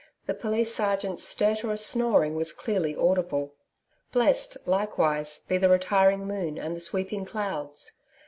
the Police sergeant's stertorous snoring was clearly audible. Blessed, likewise, be the retiring moon and the sweeping clouds!